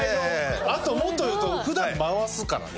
あともっと言うと普段回すからね。